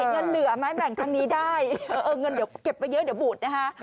เงินเหลือไหมแบ่งทางนี้ได้เงินเดี๋ยวเก็บไว้เยอะเดี๋ยวบูดนะคะ